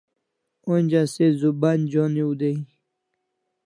Onja se zuban joniu dai